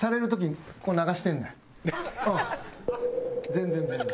全然全然。